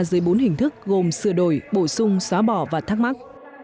với những hình thức gồm sửa đổi bổ sung xóa bỏ và thắc mắc